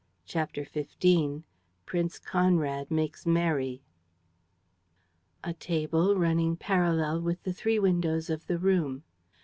. CHAPTER XV PRINCE CONRAD MAKES MERRY A table running parallel with the three windows of the room.